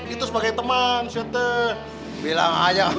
itu sebagai teman saya tuh bilang aja